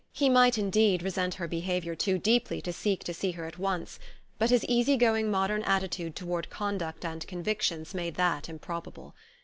He might, indeed, resent her behaviour too deeply to seek to see her at once; but his easygoing modern attitude toward conduct and convictions made that improbable.